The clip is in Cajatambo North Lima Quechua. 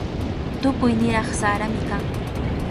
Tukuy niraq sarami kan.